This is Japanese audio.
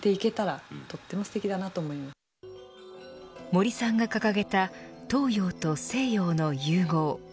森さんが掲げた東洋と西洋の融合。